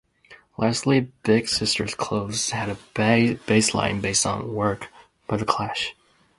Lastly, "Big Sister's Clothes" had a bass line based on work by the Clash.